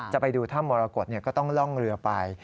ไปดูถ้ำมรกฏก็ต้องล่องเรือไป